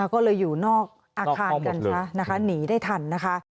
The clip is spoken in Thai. ก็เลยอยู่นอกอาคารกันซะนะคะหนีได้ทันนะคะ